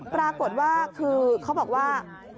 ปรากฏว่าคือเขาบอกว่า